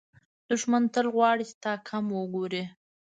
دښمن تل غواړي چې تا کم وګوري